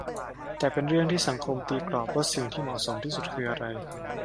แต่เป็นเรื่องที่สังคมตีกรอบว่าสิ่งที่เหมาะสมที่สุดคืออะไร